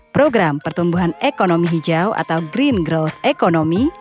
program pertumbuhan ekonomi hijau atau green growth economy